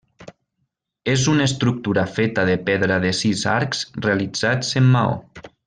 És una estructura feta de pedra de sis arcs realitzats en maó.